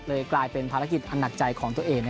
กลายเป็นภารกิจอันหนักใจของตัวเอง